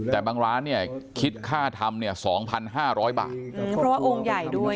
แต่บางร้านเนี่ยคิดค่าทำเนี่ยสองพันห้าร้อยบาทอืมเพราะว่าองค์ใหญ่ด้วย